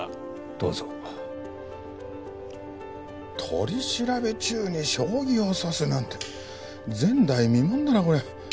取り調べ中に将棋を指すなんて前代未聞だなこりゃ。